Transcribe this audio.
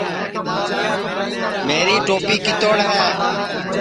میری توپی کِتوڑ ہے